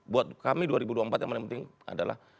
buat kami dua ribu dua puluh empat yang paling penting adalah